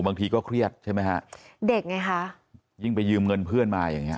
บางทีก็เครียดใช่ไหมฮะเด็กไงคะยิ่งไปยืมเงินเพื่อนมาอย่างเงี้